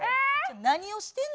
何をしてんの？